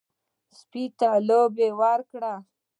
سپي ته لوبې ورکړئ.